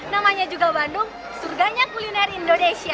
namanya juga bandung surganya kuliner indonesia